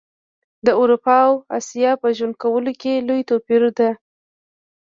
د اروپا او اسیا په ژوند کولو کي لوي توپیر ده